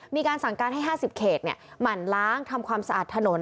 มีการสั่งการให้๕๐เขตหมั่นล้างทำความสะอาดถนน